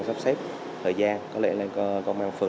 sắp xếp thời gian có lẽ là công an phường